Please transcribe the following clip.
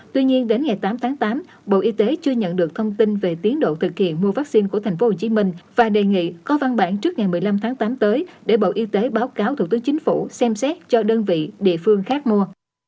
tuy nhiên đến ngày tám tháng tám bộ y tế chưa nhận được thông tin về tiến độ thực hiện mua vaccine của tp hcm và đề nghị có văn bản trước ngày một mươi năm tháng tám tới để bộ y tế báo cáo thủ tướng chính phủ xem xét cho đơn vị địa phương khác mua